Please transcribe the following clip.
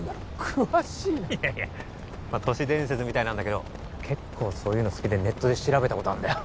詳しいないやいや都市伝説みたいなんだけど結構そういうの好きでネットで調べたことあるんだよ